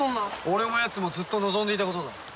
俺もやつもずっと望んでいたことだ。